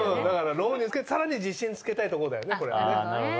だからロンジン着けてさらに自信つけたいとこだよね。